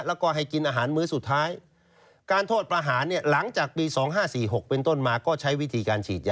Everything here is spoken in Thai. แล้วก็ให้กินอาหารมื้อสุดท้ายการโทษประหารเนี่ยหลังจากปี๒๕๔๖เป็นต้นมาก็ใช้วิธีการฉีดยา